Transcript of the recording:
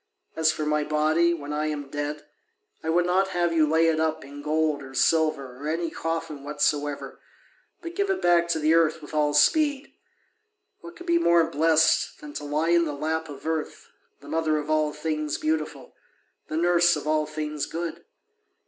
As for my body, when I am dead, I would not have you lay it up in gold or silver or any coffin whatsoever, but give it back to the earth with all speed. What could be more blessed than to lie in the lap of Earth, the mother of all things beautiful, the nurse of all things good?